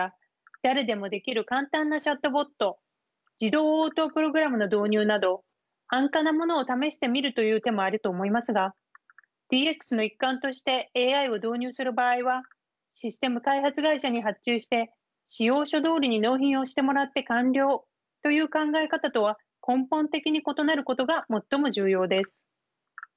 誰でもできる簡単なチャットボット自動応答プログラムの導入など安価なものを試してみるという手もあると思いますがＤＸの一環としてＡＩを導入する場合はシステム開発会社に発注して仕様書どおりに納品をしてもらって完了という考え方とは根本的に異なることが最も重要です。